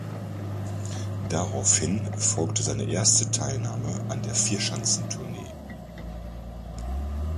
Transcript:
Daraufhin folgte seine erste Teilnahme an der Vierschanzentournee.